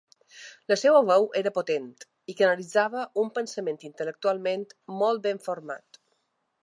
La seua veu era potent i canalitzava un pensament intel·lectualment molt ben format.